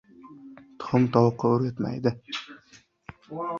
• Tuxum tovuqqa o‘rgatmaydi.